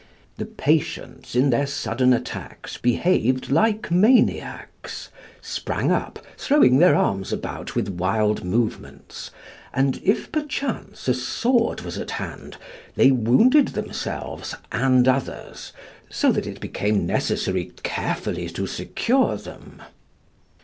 The patients in their sudden attacks behaved like maniacs, sprang up, throwing their arms about with wild movements, and, if perchance a sword was at hand, they wounded themselves and others, so that it became necessary carefully to secure them.